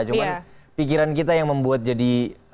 cuma pikiran kita yang membuat jadi